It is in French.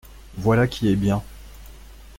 Voilà qui est bien !